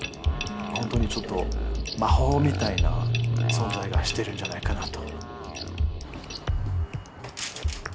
本当にちょっと魔法みたいな存在がしてるんじゃないかなと。